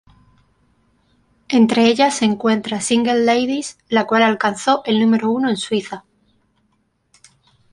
Entre ellas se encuentra "Single Ladies" la cual alcanzó el número uno en Suiza.